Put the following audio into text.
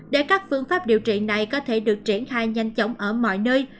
để các phương pháp điều trị này có thể được triển khai nhanh chóng ở mọi nơi